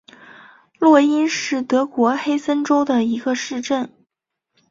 洛因是德国黑森州的一个市镇。